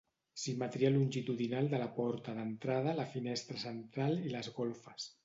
Simetria longitudinal de la porta d'entrada, la finestra central i les golfes.